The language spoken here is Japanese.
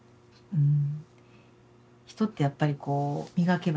うん。